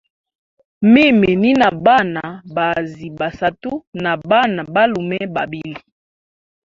Mimi ni na Bana bazi ba satu na Bana balume babili.